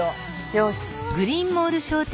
よし。